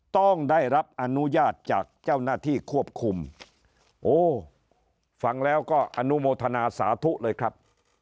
ต้องได้รับอนุญาตจากเจ้าหน้าที่ควบคุมโอ้ฟังแล้วก็อนุโมทนาสาธุเลยครับ